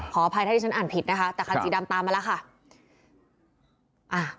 อภัยถ้าที่ฉันอ่านผิดนะคะแต่คันสีดำตามมาแล้วค่ะ